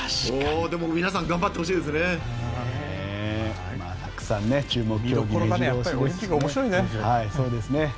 でも、皆さんに頑張ってほしいですね。